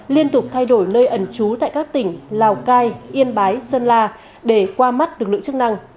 liên tục thay đổi nơi ẩn trú tại các tỉnh lào cai yên bái sơn la để qua mắt lực lượng chức năng